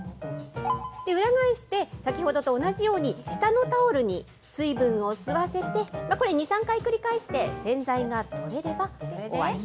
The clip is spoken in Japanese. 裏返して、先ほどと同じように、下のタオルに水分を吸わせて、これ、２、３回繰り返して、洗剤が取れれば終わり。